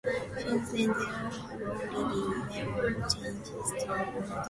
Since then there have only been minor changes to the Hall and gardens.